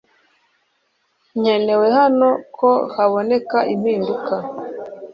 Nkenewe hano ko haboneka impinduka